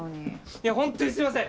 いやホントにすいません！